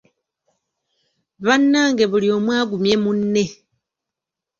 Bannange buli omu agumye munne.